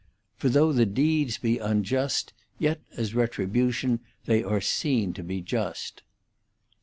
For though the deeds be unjust, yet as retribution they are seen to be just.